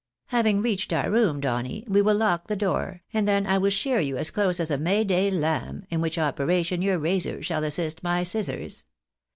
Having reached our room, Donny, we will lock the door, and then I will shear you as close as a May day lamb, in which operation your razor shall assist my scissors.